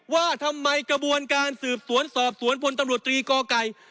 ว่าทำไมกระบวนการสืบสวนสอบสวนพลตำรวจตรีก่อไก่